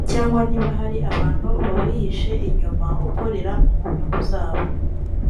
cyangwa niba hari abantu bawihishe inyuma ukorera mu nyungu zabo